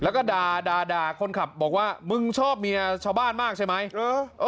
แล้วก็ด่าด่าคนขับบอกว่ามึงชอบเมียชาวบ้านมากใช่ไหม